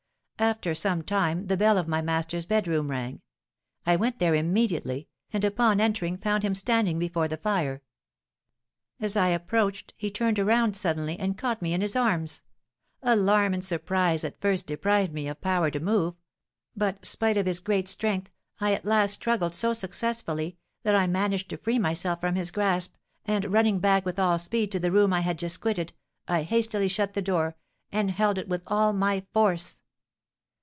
After some time the bell of my master's bedroom rang; I went there immediately, and upon entering found him standing before the fire. As I approached he turned around suddenly and caught me in his arms. Alarm and surprise at first deprived me of power to move; but, spite of his great strength, I at last struggled so successfully, that I managed to free myself from his grasp, and, running back with all speed to the room I had just quitted, I hastily shut the door, and held it with all my force.